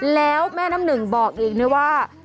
แล้วแม่น้ำหนึ่งบอกอีกนะว่า